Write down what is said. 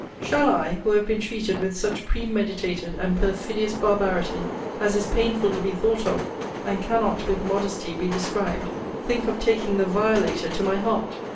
Shall I, who have been treated with such premeditated and perfidious barbarity, as is painful to be thought of, and cannot, with modesty be described, think of taking the violator to my heart?